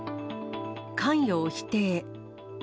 関与を否定。